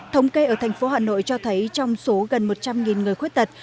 thống kê ở thành phố hà nội cho thấy trong số gần một trăm linh người khuyết tật